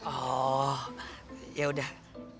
oh ya udah